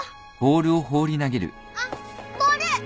あっボール。